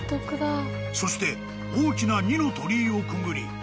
［そして大きな二の鳥居をくぐり